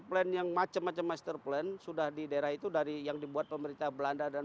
plan yang macam macam master plan sudah di daerah itu dari yang dibuat pemerintah belanda dan